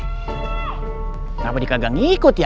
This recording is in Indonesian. kenapa dikagak ngikut ya